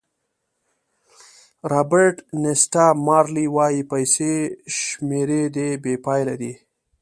رابرټ نیسټه مارلې وایي پیسې شمېرې دي بې پایه دي.